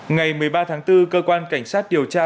ngày một mươi ba tháng bốn cơ quan cảnh sát điều tra